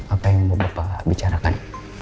apa yang bapak bicarakan